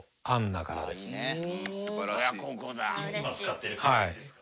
今使ってる家電ですか？